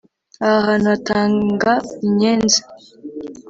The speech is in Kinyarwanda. Aha hantu hatanga inyenzi